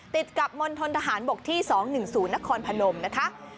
ติดกับมณฑนทหารบกที่๒๑๐นครพนมนะคะ